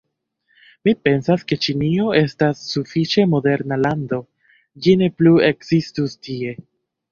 Mi pensas ke Ĉinio estas sufiĉe moderna lando, ĝi ne plu ekzistus tie.